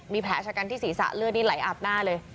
มีแผลชะกันที่ศีรษะเลือดนี่ไหลอาบหน้าเลย